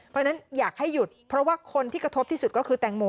เพราะฉะนั้นอยากให้หยุดเพราะว่าคนที่กระทบที่สุดก็คือแตงโม